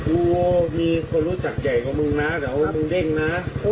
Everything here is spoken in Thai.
งูมีคนรู้จักใหญ่กว่ามึงนะแต่ว่ามึงเด้งนะ